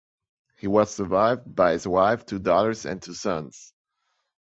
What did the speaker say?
He was survived by his wife, two daughters and two sons.